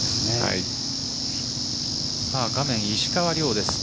画面、石川遼です。